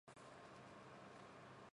jdmpjdmx